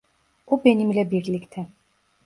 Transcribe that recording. O benimle birlikte.